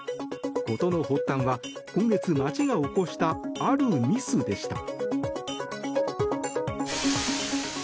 事の発端は今月、町が起こしたあるミスでした。